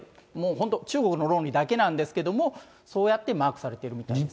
本当、中国の論理だけですけれども、そうやってマークされているみたいです。